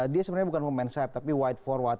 dia sebenarnya bukan pemain sayap tapi wide forward